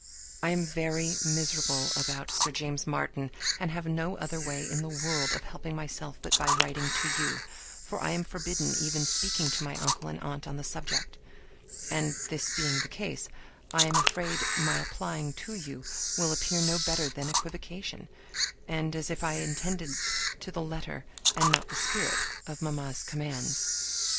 I am very miserable about Sir James Martin, and have no other way in the world of helping myself but by writing to you, for I am forbidden even speaking to my uncle and aunt on the subject; and this being the case, I am afraid my applying to you will appear no better than equivocation, and as if I attended to the letter and not the spirit of mamma's commands.